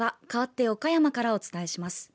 かわって岡山からお伝えします。